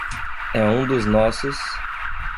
É um dos nossos